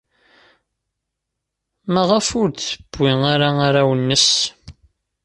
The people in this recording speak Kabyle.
Maɣef ur d-tewwi ara arraw-nnes?